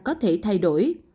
có thể thay đổi